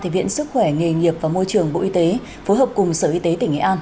viện sức khỏe nghề nghiệp và môi trường bộ y tế phối hợp cùng sở y tế tỉnh nghệ an